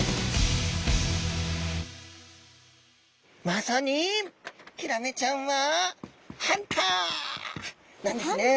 まさにヒラメちゃんはハンター！なんですね。